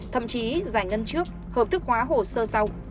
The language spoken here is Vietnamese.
thậm chí giải ngân trước hợp thức hóa hồ sơ sau